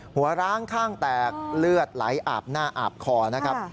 ร้างข้างแตกเลือดไหลอาบหน้าอาบคอนะครับ